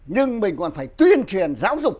nhưng mình còn phải tuyên truyền giáo dục